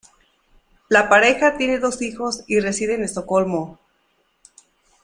La pareja tiene dos hijos y reside en Estocolmo.